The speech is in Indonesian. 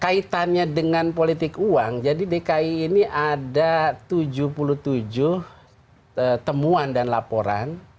kaitannya dengan politik uang jadi dki ini ada tujuh puluh tujuh temuan dan laporan